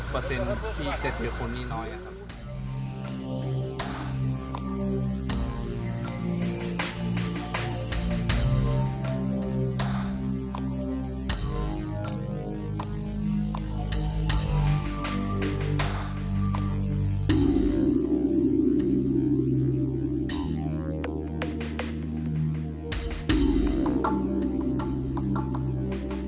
เป็นที่เจ็ดเปียร์คนนี่น้อยอ่ะครับ